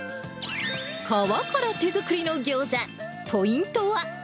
皮から手作りのギョーザ、ポイントは。